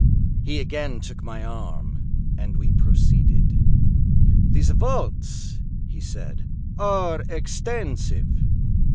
He again took my arm, and we proceeded. "These vaults," he said, "are extensive."